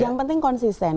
yang penting konsisten